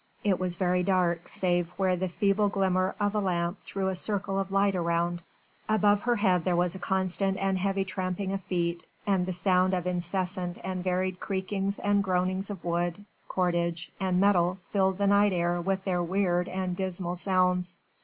It was very dark save where the feeble glimmer of a lamp threw a circle of light around. Above her head there was a constant and heavy tramping of feet, and the sound of incessant and varied creakings and groanings of wood, cordage and metal filled the night air with their weird and dismal sounds.